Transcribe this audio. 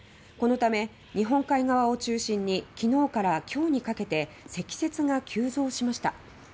このため、日本海側を中心に昨日から今日にかけて積雪が急増しました。